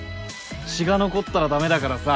血が残ったらダメだからさ。